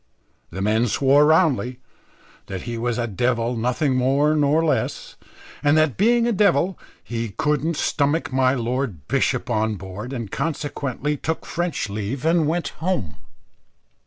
The men swore roundly that he was a devil nothing more nor less, and that, being a devil, he couldn't stomach my lord bishop on board, and consequently took French leave and went home.